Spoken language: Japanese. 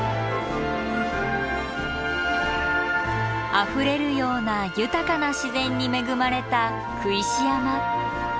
あふれるような豊かな自然に恵まれた工石山。